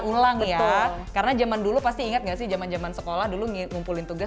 ulang ya karena zaman dulu pasti ingat nggak sih zaman zaman sekolah dulu ngumpulin tugas